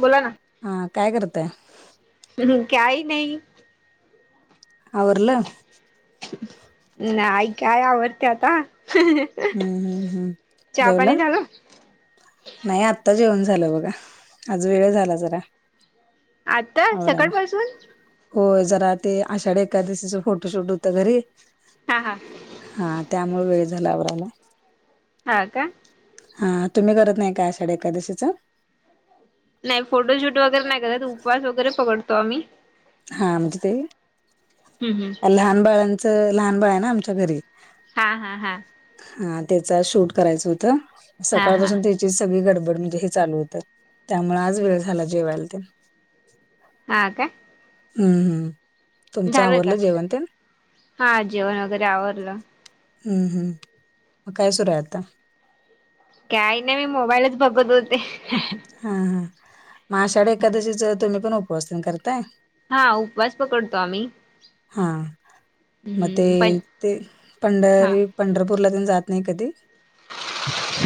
बोला ना हा काय करताय? काय नाही. आवरल? नाही काय, आवरते आता [inaudible] हम्म, हम्म, हम् जेवला? पाणी झालं नाही, आता जेवण झालं बघा आज वेळ झाला जरा. आता आवरायला सकाळपासून होय, जरा ते आषाढी एकादशीच फोटोशूट होत घरी. हां हा हा, त्यामुळे वेळ झाला आवरायला. ह का. हा, तुम्ही करत नाही का, आषाढ एकादशीच. नाही. फोटोशूट वगैरे नाही करत, उपवास वगैरे पकडतो आम्ही. हा म्हणजे, हम्म हम्म. ते लहान बाळांचं लहान बाळ आहे ना, आमच्या घरी हा, हा, हा. हा, तेच आज शूट करायचं होतं. हा हा सकाळपासून ते सगळी गडबड म्हणजे, हे चालू होत त्यामुळे आज वेळ झाला जेवायला ते. हा, काय. हम्म, हम्म, तुमचं झालं का? आवरलं जेवण ते हा जेवण वगैरे आवरलं. हम्म, हम्म, मग काय सुरू आहे आता? काय नाही, मी मोबाईलच बघत होते. हा, हा, मग, आषाढ एकादशीच तुम्ही पण उपवास ते करताय? हा, उपवास पकडतो आम्ही. हा. मग, ते, हम्म पण ते, हा पंढरी, पंढरपूरला ते जात नाही कधी?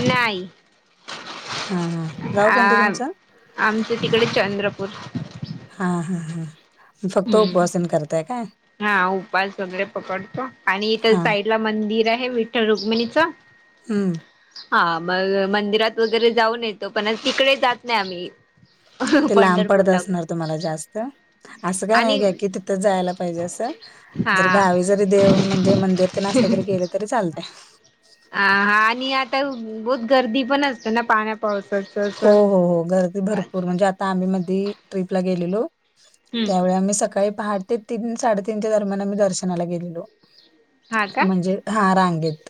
नाही. हा, हा, गाव कोणतं तुमचं? आमच तिकडे चंद्रपूर. हा, हा, हा. फक्त हम्म, उपवास तेन करताय काय हा उपास वगैरे पकडतो आणि इथ हा साईड ला मंदिर आहे विठ्ठल रुक्मिणीचं. हम्म. हा मग मंदिरात वगैरे जाऊन येतो पण आज तिकडे जात नाही आम्ही, ते लांब पंढरपूर पडत ला. असणार तुम्हाला जास्त असं काय नाही घ्या कि तिथं जायला पाहिजे असं हा जर गावी जरी देव म्हणजे मंदिर ते असलं तरी गेल तरी चालतय. ह हा आणि आता बहुत गर्दी पण असते ना पाण्या पावसात. हो हो हो गर्दी भरपूर म्हणजे आ आता आम्ही मध्ये ट्र्रीपला गेलेलो हम्म त्यावेळी आम्ही सकाळी पहाटे तीन साडेतीनच्या दरम्यान आम्ही दर्शनाला गेलेलो हा का म्हणजे हा रांगेत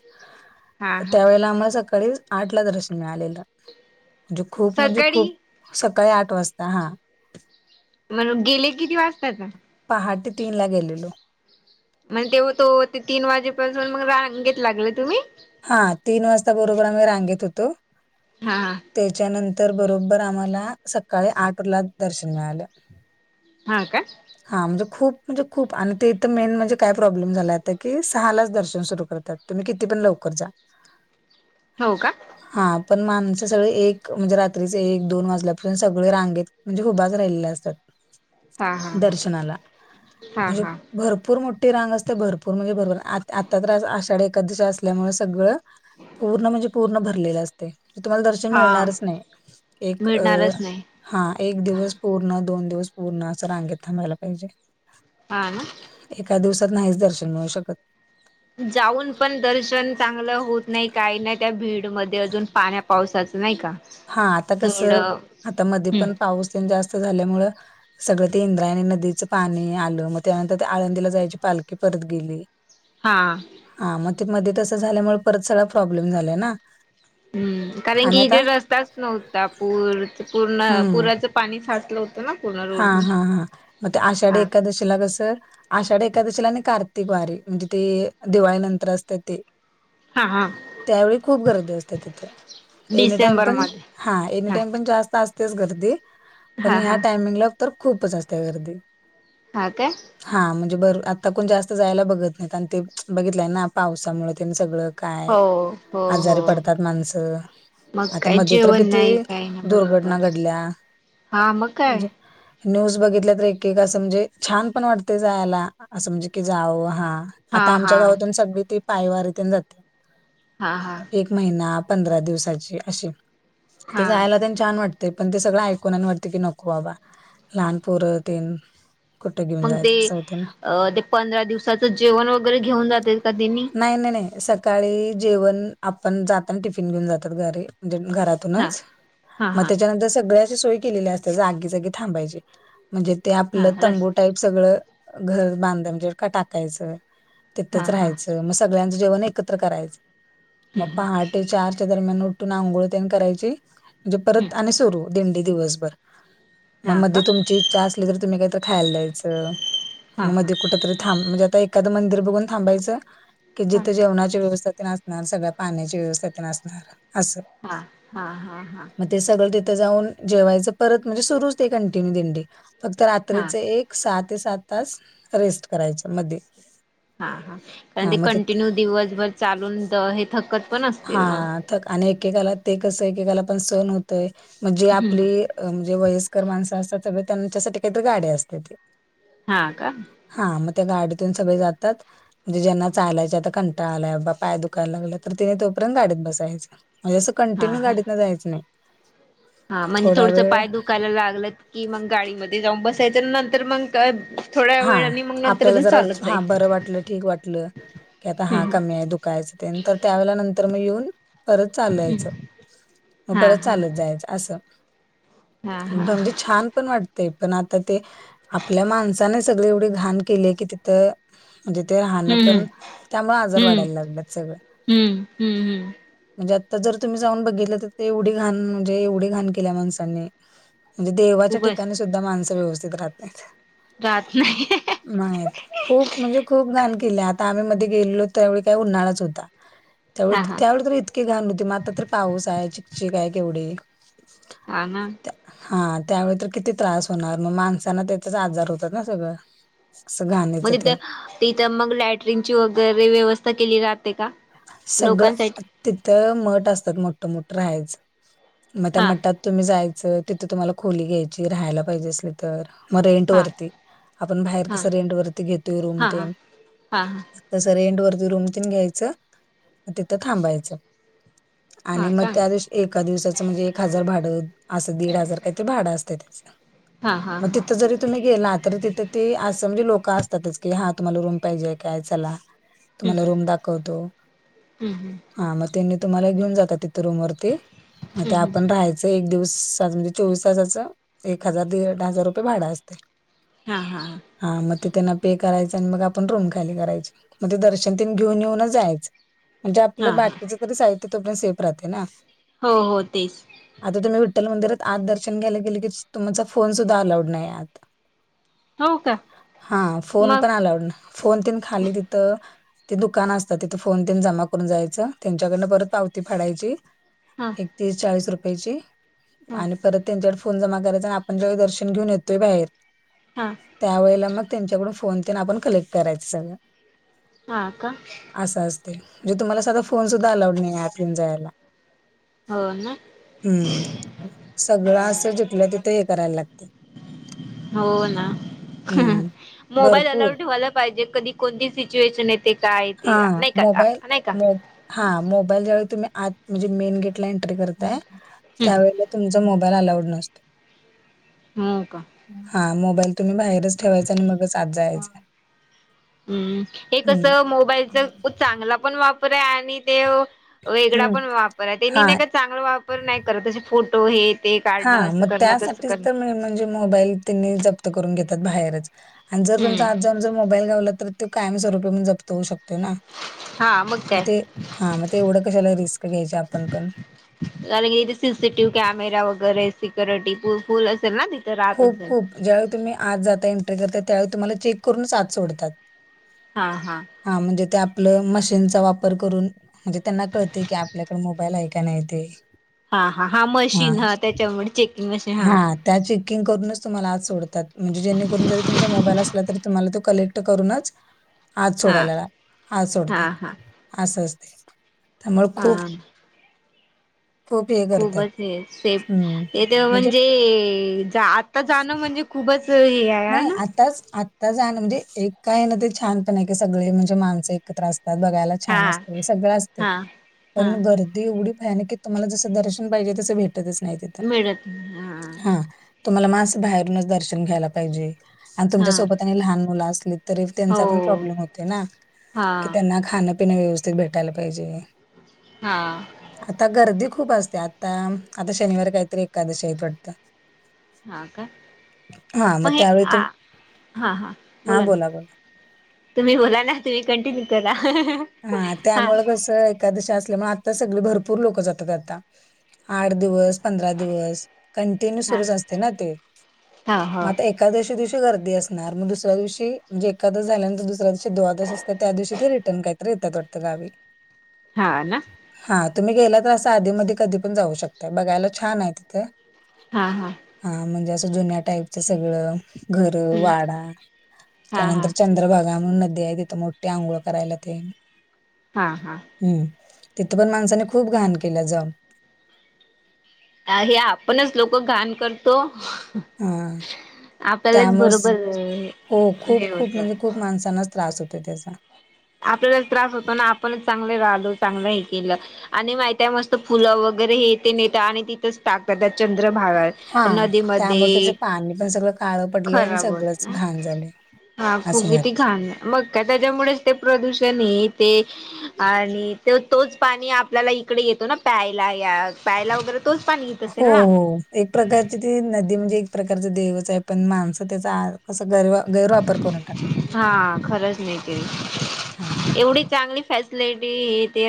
हा हा त्यावेेळेला आम्हाला सकाळी आठला दर्शन मिळालेलं. म्हणजे खूप म्हणजे सकाळी खूप सकाळी आठ वाजता हा. मग गेले किती वाजतात? पहाटे तीन ला गेलेलो. म्हण तेव्हा तो ते तीन वाजेपासून मग रांगेत लागले तुम्ही? हा तीन वाजता बरोबर आम्ही रांगेत होतो. हा हा. त्याच्यानंतर बरोबर आम्हाला सकाळी आठला दर्शन मिळालं. हा काय. हा म्हणजे खूप म्हणजे खूप आणि ते इथं मेन म्हणजे काय प्रॉब्ल प्रॉब्लेम झाला आता कि सहालाच दर्शन सुरू करतात, तुम्ही किती पण लवकर जा. हो का हा पण माणसं सगळ एक म्हणजे रात्रीच एक दोन वाजल्यापासून सगळे रांगेत म्हणजे हुभाच राहिलेली असतात हा हा दर्शनाला हा हा म्हणजे हा भरपूर मोठी रांग असते भरपूर म्हणजे भरपूर आ आता तर् आषाढी एखादशी असल्यामुळे सगळं पूर्ण म्हणजे पूर्ण भरलेलं असते तुम्हाला दर्शन हा मिळणारच नाही. एक अ मिळणारच नाही हा एक हा दिवस पूर्ण दोन दिवस पूर्ण असं रांगेत थांबायला पाहिजे. हा ना. एका दिवसात नाहीच दर्शन मिळू शकत. जाऊन पण दर्शन चांगलं होत नाही काही नाही त्या भीडमध्ये अजून पाण्या पावसाचं नाही का, हा आता कसं थोडं आता मध्ये हम्म पण पाऊस जास्त झाल्यामुळं सगळं ते इंद्रायणी नदीचं पाणी आलं मग त्यानंतर ते आळंदीला जायची पालखी परत गेली, हां. हा मग ते मध्ये तसं झाल्यामुळे परत सगळा प्रॉब्लेम झालाय ना. हम्म कारण आणि की आता इथे रस्ताच नव्हता पूर पूर्ण हम्म पुरा च पाणी साचलं हो हा हा हा मग ते आषाढी हा एकादशीला कसं आषाढी एखकादशीला आणि कार्तिक वारी म्हणजे ते दिवाळी नंतर असत्या ते, हा हा त्यावेळी खूप गर्दी असत्या तिथे, एनी टाइम डिसेंबर पण मध्ये हा एनी टाइम पण जास्त असतेच गर्दी पण हा ह्या हा टायमिंगला तर खूपच असत्या गर्दी. हा काय? हा म्हणजे बर आता कोण जास्त जायला बघत नाहीत आणि ते बघितलंय ना पावसामुळे ते आणी सगळं- काय, हो हो आजारी हो पडतात माणसं. मग आता काय मध्ये तर जेवण किती नाही काही ना बरोबर दुर्घटना घडल्या. हा मग. काय म्हणजे- न्यूज बघितल्या तर एक एक असं म्हणजे छान पण वाटतंय जायाला, असं म्हणजे की जाव हा. हा आता हा आमच्या गावातून सगळी ती पायवारीतुन जाते. हा हा. महिना पंधरा दिवसाची अशी. ते हा जायाला त्यांच्या- छान वाटतंय पण ते सगळं ऐकून आणि वाटतंय की नको बाबा लहान पोरं तेन- कुठं घेऊन मग जायचं ते असं होतं ना. अ ते पंधरा दिवसाचं जेवण वगैरे घेऊन जातेत का ते तेनी? नाही नाही नाही सकाळी जेवण आपण जाताना टिफिन घेऊन जातात घरी म्हणजे घरात- हा तूनच हा मग हा त्याच्यानंतर सगळी अशी सोय केलेली असते जागी जागी थांबायची. म्हणजे ते हा आपलं रस तंबू टाईप सगळं घर बांधुन जिरका टाकायचं. हा तिथंच हा राहायचं, मग सगळ्यांचं जेवण एकत्र करायचं. हम्म मग हम्म पहाटे चार- च्या दरम्यान उठून आंघोळ तेन करायची म्हणजे परत हम्म आणि सुरू, दिंडी दिवसभर. मग हा का मध्ये तुमची इच्छा असली तर तुम्ही काहीतर खायला द्यायचं. हा मग हा मध्ये कुठं तरी थांब म्हणजे आता एखादं मंदिर बघून थांबायचं. की हा जिथे जेवणाची व्यवस्था तेन असणार, सगळ्या पाण्याची व्यवस्था तेन असणार. असं हा, हा हा हा. मग ते सगळं तिथं जाऊन जेवायचं परत म्हणजे सुरुच ते कंटिन्यू दिंडी, फक्त हा रात्रीच एक- सहा ते सात तास रेस्ट करायचं मध्ये- हा हा कारण हा ते मग तिथ कंटिन्यू दिवसभर चालून त हे थकत- पण हा असतील ना थक आणि एकेकाला ते कसं एकेकाला पण सहन होतय म्हणजे हम्म आपली- अ म्हणजे वयस्कर माणसं असतात सगळे त्यांच्यासाठी काहीतरी गाड्या असत्याती. हा का? हा मग त्या गाडीतून सगळे जातात. म्हणजे ज्यांना चालायचा आता कंटाळा आलाय, बाबा पाय दुखायला लागल्यात तर त्याने तोपर्यंत गाडीत बसायचं, म्हणजे असं हा कंटिन्यू हा गाडीतन जायाचं नाही. हा म्हणजे थोडा थोडसं वेळ पाय दुखायला लागल की मग गाडीमध्ये जाऊन बसायचं आणि नंतर मग- थोड्या हा वेळाने मग नंतर आपल्याला अजून जरा चालत हा जाईल बरं वाटलं, ठीक वाटलं की आता हा हम्म कमी आहे दुख- खायच तेन तर त्यावेळेला नंतर मग येऊन- परत हम्म चालायचं, मग हा परत हा चालत जायचं असं. हा हा हा बंदी छान पण वाटतय पण आता ते आपल्या माणस- सानी सगळी एवढी घाण केलीय की तिथं- म्हणजे ते राहणं हम्म पण, त्यामुळ आजार हम्म वाढायला लागल्यात सगळं. हम्म, हम्म हम्म. म्हणजे आत्ता जर तुम्ही जाऊन बघितलं तर ते एवढी घाण म्हणजे एवढी घाण केल्या माणसांनी. म्हणजे देवाच्या खूपच ठिकाणी सुद्धा माणसं व्यवस्थित राहत नाहीत. रहात नाही ह ह ह. नाहीेत. खूप म्हणजे खूप घाण केल्या, आता आम्ही मध्ये गेलेलो त्यावेळी काय उन्हाळाच होता. त्यावेळी हा तरी हा त्यावेळी तरी इतकी घाण होती मग आत्ता तर पाऊस आहे चिकचिक आहे केवढी. हा ना. हा त्यावेळी तर किती त्रास होणार, मग माणसांना त्याचाच आजार होतात ना सगळं कसं घाण मग तिथं तिथं मग लॅट्रिंगची वगैरे व्यवस्था केली जाते का? सगळं. लोकांसाठी तिथ मठ असतात मोठं मोठं राहायचं मग, त्या हा मठात तुम्ही जायचं, तिथं तुम्हाला खोली घ्यायची, राहायला पाहिजे असली तर मग रेंट हा वरती. आपण बाहेर हा कस रेंट वरती घेतोय रूम हा हा तेन हा हा. तसं रेंट वरती रूम तेन घ्यायचं तिथं थांबायचं आणि हा मग का त्या दिवशी एका दिवसाचं म्हणजे एक हजार भाडं असं. दीड हजार काय ते भाडं असत त्याच. हा हा मग हा तिथं जरी तुम्ही गेला, तरी तिथे ते असं म्हणजे लोक असतातच की, हा तुम्हाला रूम पाहिजे काय चला तुम्हाला हम्म रूम दाखवतो. हम्म हम्म. हा मग त्यांनी तुम्हाला घेऊन जातात तिथे रूम वरती, मग ते हम्म आपण राहाय च अस. एक दिवस म्हणजे चोवीस तासाच एक हजार, दीड हजार रुपये भाडं असते. हां हा. हा मग ते त्यांना पे करायचं, आणि मग आपण रूम खाली करायची, मग ते दर्शन तेन घेऊन येऊनच जायचं. म्हणजे आपलं हा हा बाकीच तरी साहित्य तोपर्यंत सेफ राहत ना. हो हो तेच. आता तुम्ही विठ्ठल मंदिरात आत दर्शन घ्यायला गेले की, तुमचा फोन सुद्धा अलाउड नाहीये आत. हो का हा फोन मग पण अलाउड ना फोन तेन खाली तिथं ते दुकान असतात तिथ फोन ते न जमा करून जायचं, त्यांच्याकडंन परत पावती फाडायची. हा. तीस, चाळीस रुपयेची हा आणि परत त्यांच्याकड फोन जमा करायचा आणि आपण ज्यावेळी दर्शन घेऊन येतोय बाहेर हा. त्यावेळेला मग त्यांच्याकडून फोन तेन आपण कलेक्ट करायचं सगळं. हा का? असं असतय म्हणजे तुम्हाला साधा फोन सुद्धा अलाउड नाहीये, आत घेऊन जायला. हो ना. हम्म, सगळं असं जिथल्या तिथं हे करायला लागते. हो ना. हं. मोबाईल भरपूर अलाउड ठेव यला पाहिजे. कधी कोणती सिच्युएशन येते? काय येते? नाही का नाही का. हा मोबाईल ज्यावेळी तुम्ही आत म्हणजे मेन गेटला एंट्री करताय, हम्म त्यावेळेला तुमचा मोबाईल अलाउड नसतो. हो का? हा मोबाईल तुम्ही बाहेरच ठेवायचा आणि मगच आत जायचं. हम्म, हे हं, कसं मोबाईलच चांगला पण वापर आहे आणि ते वेगळा हं. पण वापर आहे. त्यांनी नाही हां, का चांगला वापर नाही करत तेजी फोटो अ हेत हा मग त्यासाठीच तर मेन म्हणजे मोबाईल तेनी जप्त करून घेतात बाहेरच आणि जर तुमचा हम्म आत जाऊ न जर मोबाईल घावला तर, तो कायमस्वरूपी पण जप्त होऊ शकतो ना. हा मग काय ते हा मग तेवढं कशाला रिस्क घ्यायची आपण पण. अरे गेली सीसीटीव्ही कॅमेरा वगैरे सिक्युरिटी फुल फुल असेल ना राहत खूप असेल खूप ज्यावेळी तुम्ही आज जाता एंट्री करता त्यावेळी तुम्हाला चेक करूनच आज सोडतात. हा हा. हा म्हणजे ते आपलं मशीनचा वापर करून. म्हणजे त्यांना कळते की आपल्याकड मोबाईल आहे का नाही ते. हा हा हा मशीन हा त्याच्यामुळे चेकिंग मशीन हा. त्याची. बुकिंग करूनच तुम्हा आज सोडतात म्हणजे जेणेकरून जरी तुमचा मोबाईल असला तरी तुम्हा तो कलेक्ट करूनच आत हा सोडायला हा सोडतात आसं असतंय. त्यामुळं हा खूप खूप हे करतात खूपच हे सेफ तिथं म्हणजे आता जाणं म्हणजे खूपच [unintelligible] नाही आताच आत तर जान म्हणजे एका येन ते छान पण आह सगळे म्हणजे माणसं एकत्र असतात बघायला छान हा असत सगळं असते हा हा पण गर ती एवढी भयान हे तुम्हाला जसं दर्शन पाहिजे तसं भेटतच नाही तिथं मिळत नाही हा हां तुम्हाला मा असं बाहेरूनच दर्शन घ्यायला पाहिजे. आणि तुमच्या हा सोबत आणि लहान मुलं असली तरी त्यांचा पण हो प्राब्लेम होतय ना, हा कि त्यांना खाण पिणं व्यवस्थित भेटायला पाहिजे. हां आता गर्दी खूप असते आता, आता शनिवारी काहीतरी एकादशी आहेत वाटतं. हा का हां, मग हे त्यावेळी तुम हा हा बोला ना तुम्ही बोला ना तुम्ही कंटिन्यू करा. हां हा त्यामुळं कसं एकादशी असल्यामुळे आता सगळी भरपूर लोक जातात आता, आठ दिवस पंधरा दिवस कंटीन्यू हा सुरूच असतं ना ते, हा हो मग आता एक एकादशी दिवशी गर्दी असणार मग दुसऱ्या दिवशी जे एकादस झाल्या नंतर दुसऱ्या दिवशी द्वादस असते त्या दिवशी ते रिटर्न काय रेहतात वाटतं गावी हा ना हा तुम्ही गेलात ना अस आधी मधी कधी पण जाऊ शकताय बघायला छान आहे तिथं. हां हां हां म्हणजे असं जुन्या टाईपच सगळं घर हम्म वाडा, हा हा त्यानंतर चंद्रभागा म्हणून नदी आहे ति मोठी आघोळ करायला ते हां हां हम्म, तिथं पण माणसाने खूप घाण केलीया जाऊन. आरे आपणचं लोक घाण करतो. हा आपल्यालाच त्यामुळंच, बरोबर हो हे खूप खूप होत म्हणजे खूप माणसांनाच त्रास होतोय त्याचा आपल्याला त्रास होतो ना आपणच चांगले राहिलो चांगलं हे केलं आणि माहित आहे मस्त फुलं वगैरे हे ते नेत आणि तिथंच टाकतात त्या चंद्रभागा हा त्यामुळे नदीमध्ये त्याचं पाणी पण सगळं काळं प खराब होतं, हा खूप असं झालं कीती घाण मग काय त्याच्या मुळेच ते प्रदूषण हे ते आणि तो तोच पाणी आपल्याला इकडे येतो ना प्यायला. या प्यायला वगैरे- तोच पाणी. असेल हो. ना एक प्रकारची ती नदी म्हणजे एक प्रकारचं देवच आहे. पण माणसं त्याचा कस गर्व- हां. खरंच नेते. एवढी चांगली [unintelligible] प्लेटी तेरा-